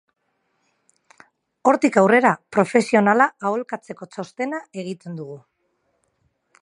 Hortik aurrera, profesionala aholkatzeko txostena egiten dugu.